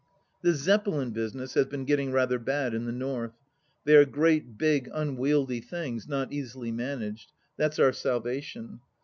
The Zeppelin business has been getting rather bad in the North. They are great, big, unwieldy things, not easily managed ; that's our salvation.